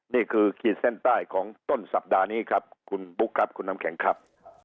ขีดเส้นใต้ของต้นสัปดาห์นี้ครับคุณบุ๊คครับคุณน้ำแข็งครับ